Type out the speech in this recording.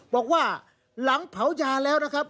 บอกว่าหลังเผายาแล้วนะครับ